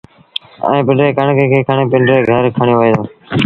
ائيٚݩ پنڊريٚ ڪڻڪ کڻي پنڊري گھر کڻيوهي دو